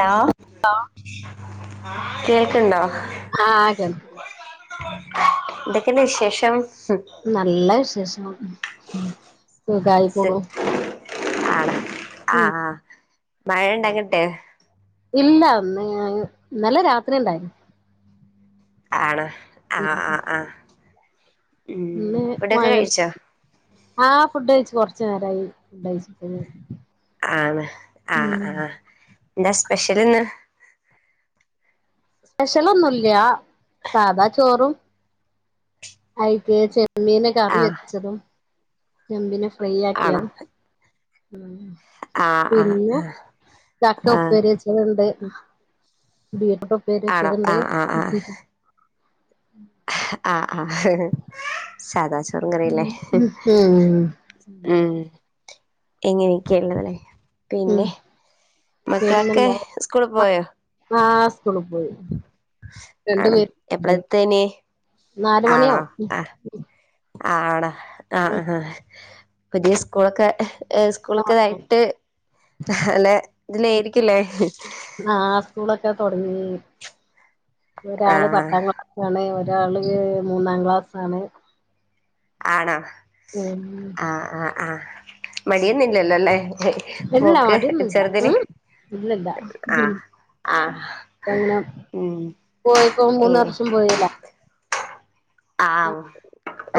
Hello [unintelligible] കേൾക്കണ്ടോ ആഹ് കേൾക്ക എന്തൊക്കെയിണ്ട് വിശേഷം നല്ല വിശേഷം ഉം ശരി ആണാ ഉം ആഹ് മഴ ഇണ്ടാങ്ങട്ട് ഇല്ല ഇന്നലെ രാത്രി ണ്ടായിരുന്നു ആണോ ആഹ് ഉം ആഹ് ആഹ് ഉം ഇന്ന് ഫുഡൊക്കെ മഴ കഴിച്ചോ ആഹ് ഫുഡ്കഴിച്ച് കൊറച്ച് നേരായി ഫുഡ് കഴിച്ചിട്ട് ആണോ ഉം ആഹ് ആഹ് എന്താ സ്പെഷ്യലിന്ന് സ്പെഷ്യലൊന്നുംല്യ സാദാചോറും അയിപ്പേ ചെമ്മീന് കറി ആഹ് വെച്ചതും ഞാൻ പിന്നെ ഫ്രൈ ആണോ ആക്കിയാർന്നു ആഹ് ആഹ് പിന്നെ ചക്ക ആഹ് ഉപ്പേരി വച്ചത്ണ്ട് ആണോ ഉപ്പേരിവച്ചതുണ്ട് ആഹ് ആഹ് ആഹ് ആഹ് ആഹ് സാദാ ചോറും കറീംല്ലേ ഉം ഉം ഇങ്ങനെയൊക്കെ ഉള്ളതല്ലേ ഉം പിന്നെ മക്കളൊക്കെ പിന്നെന്താ സ്കൂളി പോയോ ആഹ് സ്കൂളി പോയി രണ്ടു ആണ് പേരുണ്ട് എപ്പളെത്തേനി നാല് ആണോ മണിയാവും ഉം ആഹ് ആണോ ആഹ് ആഹ് ഉം. ഹാ പുതിയ സ്കൂളൊക്കെ ആ സ്കൂളൊക്കെതായിട്ട് നല്ല ഇതിലേരിക്കും ലേ ആഹ് സ്കൂളൊക്കെ തൊടങ്ങി ഒരാള് ആഹ് പത്താം ക്ലാസ് ആണ് ഒരാള് മൂന്നാം ക്ലാസ്സാണ് ആണോ ഉം ആഹ് ആഹ് ആഹ് മടിയൊന്നുല്ലല്ലോ ലേ ഇല്ല മോക്ക് മടിയൊന്നുല്ല ചെറുതിന് ഉം ഇല്ലല്ല ഉം ആഹ് ആഹ് ഇപ്പൊ അങ്ങനെ ഉം പോയിപ്പോ മൂന്ന് ഇങ്ങനെ വർഷം പോയില്ലേ ആഹ്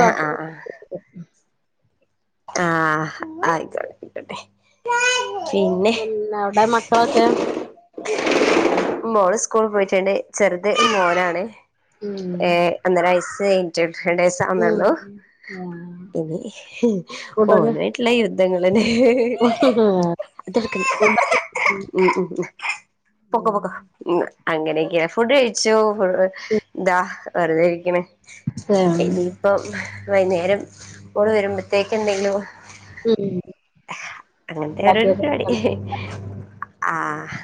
ആഹ് ആഹ് ആഹ് ആഹ് ആയിക്കോട്ടായിക്കോട്ടെ പിന്നെ അവിടെ മക്കളൊക്കെ മോള് സ്കൂള് പോയിട്ടുണ്ട് ചെറുത് ഉം മോനാണ് ഏഹ് ഒന്നരവയസ് കയി [unintelligible] ഉം ആന്നള്ളു ഉം ആ ഇനി ഫുഡൊക്കെ ഓനുവായിട്ടുള്ള യുദ്ധങ്ങള്ന്നെ അതെടുക്ണ് ഫുഡൊക്കെ ഉം ഉഹ് ഉഹ് ഉ പോക്കോ ഉം പോക്കോ ഉഹ് അങ്ങനെയൊക്കെയ ഫുഡ് കഴിച്ചു എന്താ വെറുതെ ഇരിക്കണ് ഉം. ഇനിയിപ്പ വൈന്നേരം ഓള് വരുമ്പോത്തേക്കെന്തെലും ഉം അങ്ങനത്തെ ഒരോരോ പരിപാടി ആഹ്ഹ്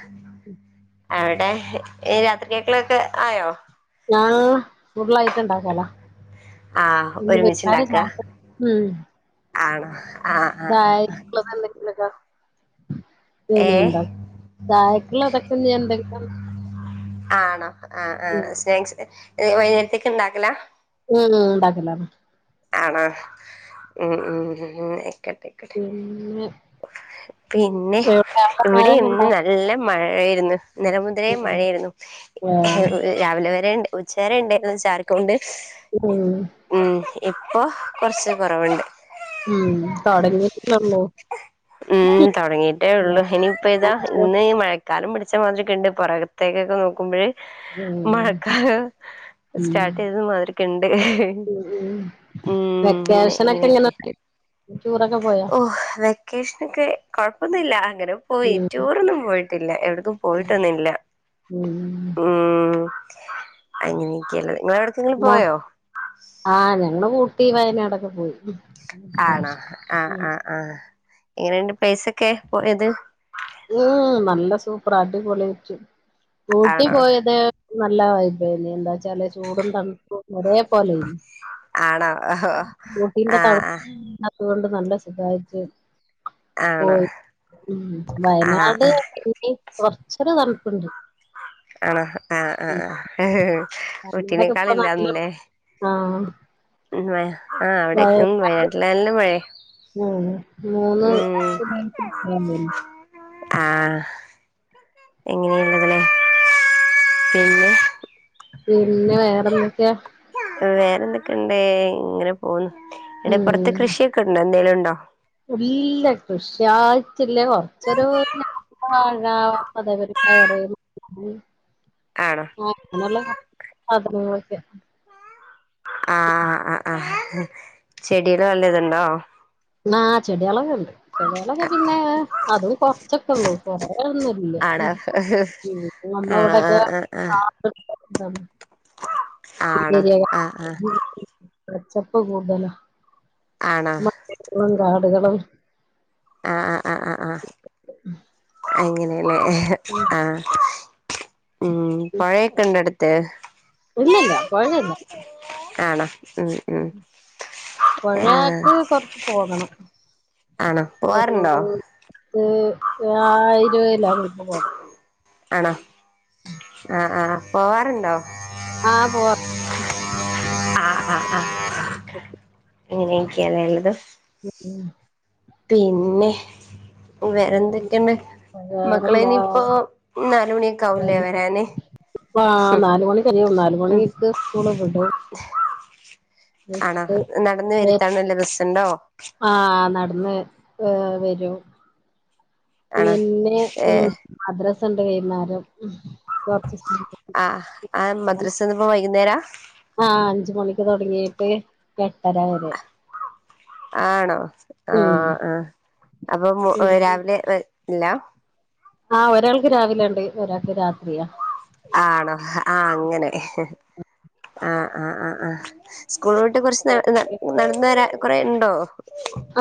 അവിടെ ഈ രാത്രിത്തെകേളൊക്കെ ആയോ ആഹ്ഹ് കൂടുതലായിട്ട്ഉണ്ടാക്കലോ ആഹ് ഒരുമിച്ചുണ്ടാക്ക [unintelligible] ആണോ ആഹ് ആഹ് ആഹ് ചായക്കുള്ളത് എന്തെങ്കില്ക്കോ ഏഹ് ഇനിയുണ്ടോ ചായക്കുള്ളതൊക്കെ എന്തെക്കങ്കിലും ആണോ ആഹ്ഹ് ഉം ആഹ്ഹ് സ്നാക്സ് വൈകി ത്തേക്ക്ണ്ടാക്കല ഉം ഉണ്ടാക്കലാണ് ആണോ ഉം ഉം ആയിക്കട്ടെ പിന്നെ പിന്നെ എവിടെ അവിടെ ഇവിടെ മഴയൊക്കെ ഇന്ന് ഉണ്ടോ നല്ല മഴായിരുന്നു ഇന്നല മുതലെ മഴയായിരുന്നു ആഹ് രാവിലെ വരെയണ്ട് ഉച്ച വരെ ഉണ്ടേന്ന് ചാറി ക്കൊണ്ട് മം ഉം ഇപ്പൊ കൊറച്ച് കുറവുണ്ട് ഉം തുടങ്ങിഇട്ടില്ലല്ലോ ഉം തുടങ്ങിട്ടേ ഉള്ളു ഇനിയിപ്പ ഇതാ ഇന്ന് മഴ കാടും പിടിച്ച മാതിരിക് ഒക്ക ഉണ്ട് പുറകത്തേക്കൊക്കെ നോക്കുമ്പോഴ് ഉം മഴക്കാലം സ്റ്റാർട്ട് ചെയ്ത മാതിരിക്ക ണ്ട് ഉ വെക്കേഷനൊക്കെ ഇങ്ങനെ ടൂറൊക്കെ പോയോ ഓഹ് വെക്കേഷന ഒക്കെ കൊഴപ്പൊന്നുല്ല അങ്ങനേ പോയി ഉം ടൂറൊന്നും പോയിട്ടില്ല എവിടക്കും ഉം പോയിട്ടന്നില്ല ഉം ഉ അങ്ങനെയൊക്കെയാണ് ങ്ങളവിടെ മ ആ ഞങ്ങള് ഊട്ടി വയനാടൊക്കെ പോയി ആണോ ഇപ്രാവശ്യം ആഹ് ആ ആ എങ്ങനെയണ്ട് പ്ല സൊക്കെസഒക്കെ പോയത് ഉ നല്ല സൂപ്പറാടിപൊളിച്ചു ഊട്ടി ആണോ പോയത് നല്ല വൈബ് ന എന്താ ച്ചാല് ചൂടും തണുപ്പും ഒരേ പോലെണ് ആണോ ഓഹോ ഊട്ടീന്റെ ആഹ് ആഹ് തണുപ്പ അതൊണ്ട് നല്ല സുഖായിട്ട് ആണോ പോയി ഉം ആഹ് വയനാട് ആഹ് പിന്നെ കൊറചൊക്കെ തണുപ്പുണ്ട് ആണോ ആഹ് ആഹ് ആഹ് തൊക്കെ ഊട്ടിനേക്കാൾ ഇപ്പട്ട [unintelligible] ആഹ് ഉ ആ അവിടെ ഉ വയനാട്ടില നല്ല മഴേ ആ മൂന്ന് [unintelligible] ആഹ് എങ്ങനെയുള്ളതിലെ പിന്നെ പിന്നെ വേറെന്തൊക്കെ വേറെന്തൊക്കെയ ഇണ്ടേ ഇങ്ങനെ പോന്നുന്നു ഇടെപ്പുറത്ത് ഉം കൃഷിയൊക്കെ ഉണ്ടോ എന്തെലും ഉണ്ടോ ഇല്ല കൃഷിയായിട്ടില്ലേ കൊറച്ചൊരു വാഴ [unintelligible] പയറ് [unintelligible] ആണോ ആഹ് നല്ല സാധനങ്ങളൊക്കെ ആഹ് ആഹ് ആ ചെടിൽ വല്ലതുണ്ടോ ആ ചെടികളൊക്കെ ഉണ്ട് ചെടികള ഒക്കെ പിന്നെ അതും കൊറച്ചൊക്കെ ഉള്ളൂ കുറേ ഒന്നും ഇല്ല ആണോ ഉം ആഹ് നമ്മളെ ഇവിടെക്കെ ആഹ് ആഹ് ആഹ് [unintelligible] ആണോ [unintelligible] ആഹ് ആഹ് കുന്നുകളും ആണോ കാടുകളും ആഹ് ആഹ് ആ ആ ആ അങ്ങനെയെല്ലേ ഉം ആഹ് ഉം പുഴയൊക്കെ ഇണ്ടോ അടുത്ത് ഇല്ല ഇല്ല പൊഴ ഒന്നും ഇല്ല ആണോ ഉം ഉം ആഹ് പൊഴക്ക് കൊറച്ച് പോകണം ആണോ ഒരു പോവാറുണ്ടോ ആ ഇരുപത് കിലോമീറ്റർ പോണം ആണോ ആ ആഹ് പോവാറുണ്ടോ ആഹ് പോവാ ആഹ് ആഹ് ആഹ് അങ്ങനെ ഒക്കെയാലേ ഉള്ളത് ഉം ഉം പിന്നെ വേറെന്തൊക്കെ ഉണ്ട് മക്കള് വേറെന്താ ഇനിയിപ്പോ നാലുമണിയൊക്കെ ആവുല്ലേ വരാന് ആ ഉം നാല് മണി കഴിയും ഉം നാലുമണിക്ക് സ്കൂള് വിടും ആണോ വിട്ടിട്ട് നടന്ന് വരുത്താണല്ലോ ബസുണ്ടോ ആഹ് നടന്ന് ഏ വരും ആണോ പിന്നെ ഉം ഏഹ് മദ്രാസ് ഉണ്ട് വൈന്നേരം ഉം ആഹ് ആ മദ്രസ് ഇന്നിപ്പോ വൈകുന്നേരാ ആ അഞ്ച് മണിക്ക് തുടങ്ങിയിട്ട് എട്ടര വരെ ആണോ ഉം ആഹ് ആ അപ്പൊ ഉം രാവിലെ ഇല്ല ആഹ് ഒരാൾക്ക് രാവിലെണ്ട് ഒരാൾക്ക് രാത്രിയാ ആണോ ആ അങ്ങനെ ആഹാ ആഹ് ആഹ് ആഹ് സ്കൂള് വിട്ട് കുറച്ച് നടന്ന് നടന്ന് വരാന്ന് കുറെ ഉണ്ടോ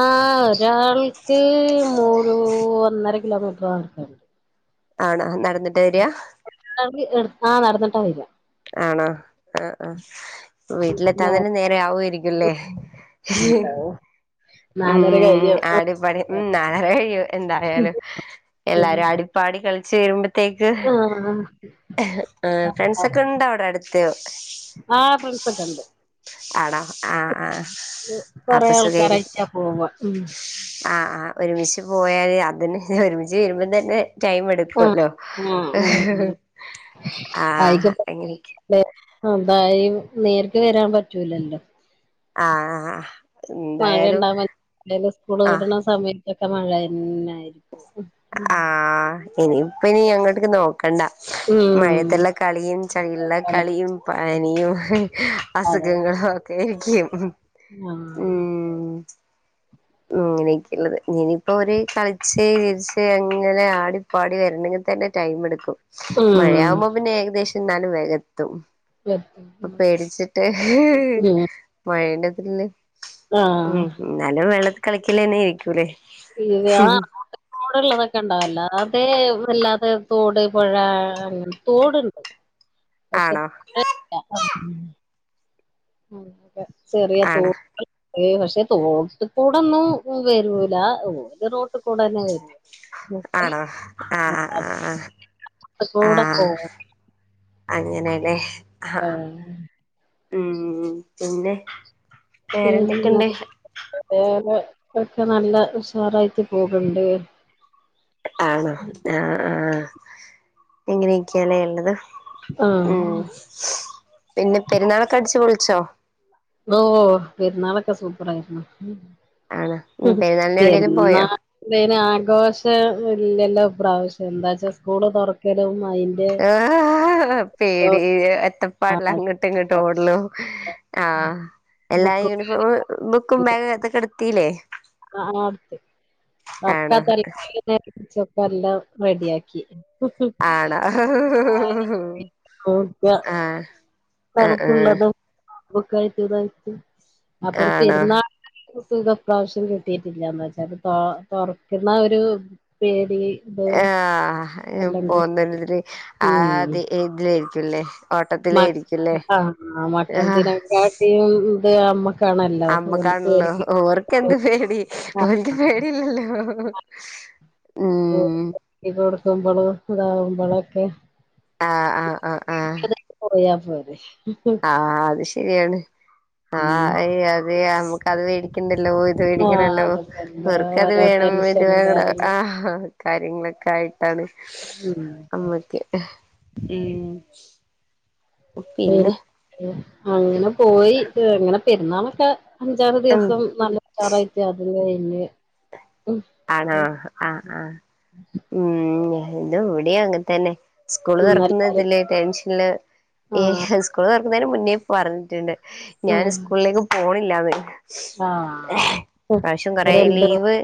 ആ ഒരാൾക്ക് മൂ ഒന്നര കിലോമീറ്ററാ നടക്കാളളത് ആണോ നടന്നിട്ടാ വരാ ആ നടന്നിട്ടാ വരാ ആണോ ആ ആ വീട്ടിലെത്താൻ പിന്നെ തന്നെ നേരെ ആവായിരിക്കുംല്ലേ ണ്ടാവോ നാലര ഉം കഴിയും ആടിപാടി ഉം നാലര കഴിയും എന്തായാലും എല്ലാരും ആടി- പാടി കളിച്ച് വരുമ്പ ത്തേക്ക് ആ ഫ്രണ്ട്സൊക്കെ ഉണ്ടോ അവിടെ അടുത്ത് ഒക്കെ ആ ഫ്രണ്ട്സൊക്കെ ഉണ്ട് ആ ആ കൊറെ ആൾക്കാരായിട്ടാ പോവാ ഉം ആഹ് ആഹ് ഒരുമിച്ച് പോയാല് അതിന് ഒരുമിച്ച് വരുമ്പോ തന്നെ ടൈം എടു ആ ക്കല്ലോ ആ ആ ആഹ് അങ്ങനെയൊക്കെ [unintelligible] നേരിട്ട് വരാൻ പറ്റൂലല്ലോ ആഹ് എന്തായാലും മഴണ്ടാവാൻ [unintelligible] സ്കൂള് ആഹ് വിട്ണ സമയത്തൊക്കെ മഴയന്നായിരിക്കും ഉം ഉം ആഹ് ഇനിയിപ്പ ഇനി അങ്ങോട്ടേക്ക് നോക്കണ്ട ഉം മഴയത്തുള്ള കളിയും ചളിയിലുള്ള അതെ കളിയും പനിയും അസുഖങ്ങളും ഒക് ക്കേരിക്കും ആഹ് ഇങ്ങനെയൊക്കെള്ളത് ഇന്നിനി ഇപ്പോ അവര് കളിച്ച് ചിരിച്ച് അങ്ങനെ ആടി പാടി വരണെങ്കി തന്നെ ടൈം എടുക്കും ഉം മഴയാകുമ്പോ പിന്നെ ഏകദേശം എന്നാലും വേഗം എത്തും എത്തും പേടിച്ചിട്ട് മഴേൻ്റെതില് ആഹ് ഇന്നാലും വെള്ളത്ത് കളിക്കല് തന്നേരിക്കൂലേ ഇല്ല തോടുള്ളതൊക്കെ ഉണ്ടാവല്ലോ അതെ വല്ലാതെ തോട് പുഴ അങ്ങനെ തോടുണ്ട് പക്ഷേ ആണോ [unintelligible] ഇല്ല ആഹ് [unintelligible] ചെറിയ ആണ് തോട് ഏയ് പക്ഷെ തോട്ട് കൂടൊന്നും വരൂല ഓല് റോട്ട് കൂടെ ന്നെ വരൂ ആണോ ആഹ് ആഹ് ആഹ് കൂടെ ആഹ് പോവും അങ്ങനെല്ലേ ആഹ് ഉം പിന്നെ പിന്നെന്താ വേറെന്തൊക്കെണ്ട് വേറെ ഒക്കെ നല്ല ഉഷാറായിട്ട് പോക്ന്ന്ണ്ട് ആണോ ആഹ് ആഹ് ഇങ്ങനെയൊക്കെയാല്ലേ ഇള്ളത് ഉം ആഹ് പിന്നെ പെരുന്നാളൊക്കെ അടിച്ച് പൊളിച്ചോ ഓ പെരുന്നാളൊക്കെ സൂപ്പറാരുന്നു ആണ് ഉം പെരുന്നാളിന് എവിടേലും പെരുന്നാ പോയോ ളിന് ആഘോഷം ഇല്ലല്ലോ ഇപ്രാവശ്യം എന്താച്ചാ സ്കൂള് തുറക്കലും അയിന് പേടി എത്തപ്പാടില അങ്ങോട്ടും ഇങ്ങോട്ടും ഓടലും ആഹ് എല്ലാ ബുക്ക് യൂണിഫോം ബുക്കും ബാഗ് അതൊക്കെടുത്തീല്ലേ ആഹ് അടുത്ത് ആണോ [unintelligible] പിടിച്ചപ്പോ എല്ലാം റെഡിയാക്കി ആണോ [unintelligible] ആഹ് ആഹ് ആഹ് നമുക്കുള്ളതും [unintelligible] അതൊര് ആണോ പെരുന്നാൾ സുഖം ഇപ്രാവശ്യം കിട്ടീട്ടില്ലാന്ന് വെച്ചാത് തൊറക്കുന്ന ഒരു പേടി ഇത് ആഹ് എല്ലാം കൂടി പോന്ന ഒരിതില് ആഹ് ഉം അത് ഇതിലായിരിക്കുംല്ലേ മക് ഓട്ടത്തിലായിരിക്കുംല്ലേ ആഹ് ആഹ് മക്കൾ ആഹ് ദിനേക്കാട്ടിം ത് അമ്മ അമ്മക്കാണല്ലോ ഓർക്ക് എന്ത് പേടി ആ, ഓര്ക്ക് പേടീല്ലല്ലോ ഉം ഇത് കൊടുക്കുമ്പളും ഇതാവുമ്പളൊക്കെ ആഹ് ആഹ് ആഹ് ആഹ് [unintelligible] പോയാ പോരെ ആഹ് അത് ശരിയാണ് ആ ഉം അത് നമുക്ക് അത് മേടിക്കണ്ടല്ലോ ആഹ് പേടിക്കണല്ലോ അതൊക്കെ എന്താ ഇവർക്കത് ഓരോ വേണം ഇത് ടെൻഷനും വേണം കാര്യങ്ങളും ആഹ് കാര്യങ്ങളൊക്കെ ആയിട്ടാണ് ഉം നമ്മക്ക് ഉം പിന്നെ അങ്ങനെ പോയി അങ്ങനെ പെരുന്നാളൊക്കെ അഞ്ചാറ് ഉം ദിവസം നല്ല ഉഷാറായിട്ട് അതും കഴിഞ്ഞ് ആണോ ആഹ് ആഹ് ഉം ന്നെ ഇവിടിം അങ്ങൻതന്നെ സ്കൂള് ഉം തുറക്കുന്ന എല്ലാരും ഇതില് ടെൻഷനില് ആഹ് ഏഹ് സ്കൂള് തുറക്കുന്നതിന് മുന്നേ പറഞ്ഞിട്ടുണ്ട് ഞാന് ഉം സ്കൂളിലേക്ക് പോണില്ലാന്ന് ആഹ് ഇപ്രാവശ്യം കൊറേ ഇവര് രണ്ട് ലീവ്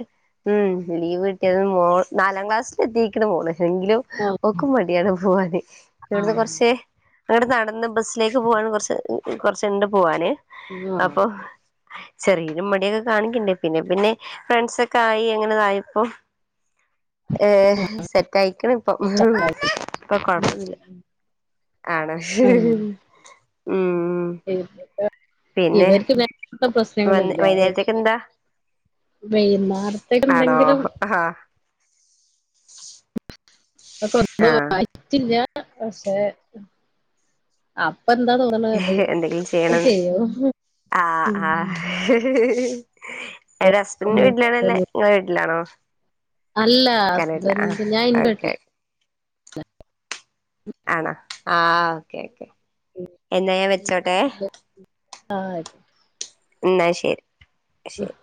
ഉം ലീവ് കിട്ടിയൊക്കുമോ നാലാം ക്ലാസ്സില് എത്തിക്ക്‌ണ് മോള് റ്റെങ്കിലും ആഹ് ഓൾക്ക് മടിയാണ് പോവാന് ആ ഇവിടുന്ന് കുറച്ച് ഇവിടന്നാടന്ന് ബസ്സിലേക്ക് പോവൻ കൊറച്ച് കൊറച്ച്ണ്ട് പോവാന് ആ അപ്പൊ ചെറിയോര് മടിയൊക്കെ കാണിക്ക്‌ണ്ട് പിന്നെ പിന്നെ ഫ്രണ്ട്സ് ഒ ക്കായി അങ്ങനെതായപ്പോ ഏഹ് സെറ്റ് ആയിക്ക്‌ണ്പ്പം ഇപ്പൊ കൊഴപ്പൊന്നുല്ല ആണോ ഉം. ഉം ഉം ഇവര്ക്ക് പിന്നെ അങ്ങൻത്തെ വന്ന് പ്രശ്നങ്ങളില്ല വൈന്നേരത്തേക്ക് എന്താ ആണോ വൈന്നാരത്തേക്കെന്തെങ്കിലും ആഹ് ഒക്കൊന്നു ആഹ് വാ യി [unintelligible] റ്റില്ല പക്ഷേ അപ്പ എന്താ തോന്ന് എന്തെങ്കിലും ചെയ്യണംന്ന് ആഹ് ഉം. ആഹ് എടെ ഹസ്ബൻഡറിന്റെ വീട്ടിലാണോ ഇല്ലേ ങ്ങടെ വീട്ടിലാണോ അല്ല ഇക്കാന്റെവീട്ടിലാ ആഹ് ഹസ്ബൻഡ് ഞാൻ ഇന്റെ ഓക്കെ ആണോ ആഹ് ഓക്കെ ഓക്കെ എന്ന ഞാൻ വെച്ചോട്ടെ വീട്ടിലാ ആഹ് ആയിക്കോട്ടെ ഇന്നാ ശരി ശരി